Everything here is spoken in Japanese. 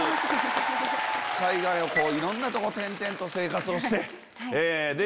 海外をいろんなとこ転々と生活をして。